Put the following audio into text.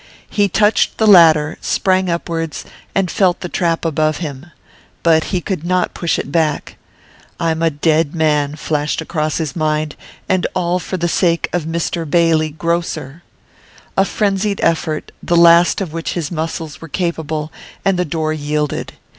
He touched the ladder, sprang upwards, and felt the trap above him. But he could not push it back. 'I'm a dead man,' flashed across his mind, 'and all for the sake of "Mr Bailey, Grocer."' A frenzied effort, the last of which his muscles were capable, and the door yielded.